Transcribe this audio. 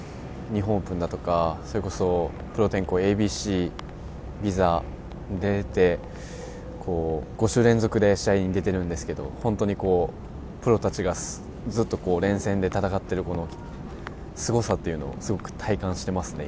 ◆日本オープンだとか、それこそプロ転向、ＡＢＣ、ビザに出て、５週連続で試合に出てるんですけど、本当にプロたちがずっと連戦で戦っているこのすごさというのをすごく体感していますね。